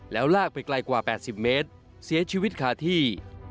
แล้วลากไปไกลกว่า๘๐เมตรเสียชีวิตคาที่